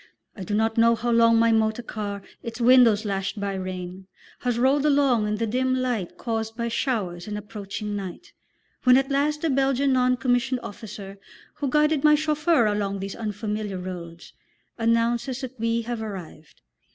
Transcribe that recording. I do not know how long my motor car, its windows lashed by rain, has rolled along in the dim light caused by showers and approaching night, when at last the Belgian non commissioned officer, who guided my chauffeur along these unfamiliar roads, announces that we have arrived.